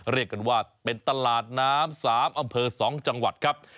เรียกกันว่าเป็นตลาดน้ำ๓อำเภอ๒จังหวัดครับ